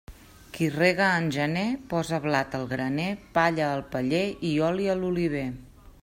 Qui rega en gener, posa blat al graner, palla al paller i oli a l'oliver.